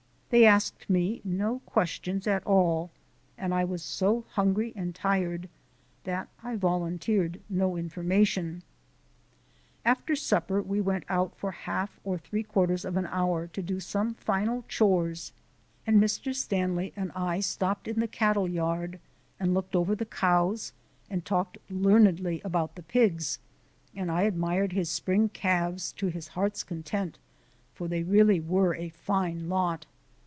They asked me no questions at all, and I was so hungry and tired that I volunteered no information. After supper we went out for half or three quarters of an hour to do some final chores, and Mr. Stanley and I stopped in the cattle yard and looked over the cows, and talked learnedly about the pigs, and I admired his spring calves to his hearts content, for they really were a fine lot.